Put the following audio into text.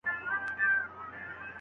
طلاق د ژوند وروستۍ حل لاره ده.